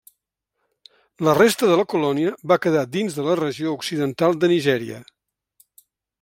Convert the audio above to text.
La resta de la colònia va quedar dins de la regió Occidental de Nigèria.